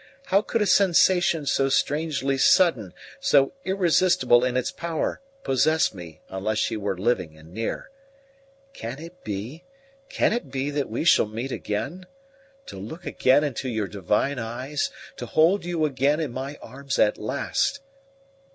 How could a sensation so strangely sudden, so irresistible in its power, possess me unless she were living and near? Can it be, can it be that we shall meet again? To look again into your divine eyes to hold you again in my arms at last!